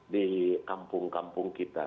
di kampung kampung kita